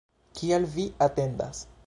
Kial vi atendas?